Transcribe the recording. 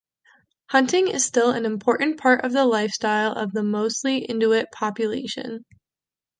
Hunting is still an important part of the lifestyle of the mostly Inuit population.